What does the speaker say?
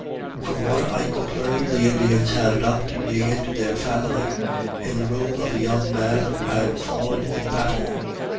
From what I could learn, the Indians had adopted me into their family, in the room of a young man who had fallen in battle.